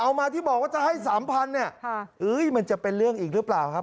มาที่บอกว่าจะให้สามพันเนี่ยมันจะเป็นเรื่องอีกหรือเปล่าครับ